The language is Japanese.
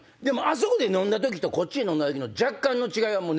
でもあそこで飲んだ時とこっちで飲んだ時の若干の違い